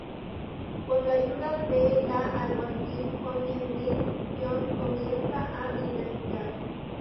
Con la ayuda de la alguacil Connie Mills, John comienza a investigar.